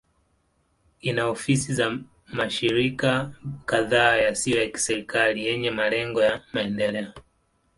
Ina ofisi za mashirika kadhaa yasiyo ya kiserikali yenye malengo ya maendeleo.